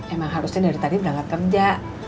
emang harusnya dari tadi berangkat kerja